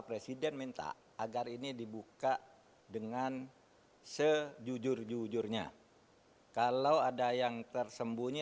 presiden minta agar ini dibuka dengan sejujur jujurnya kalau ada yang tersembunyi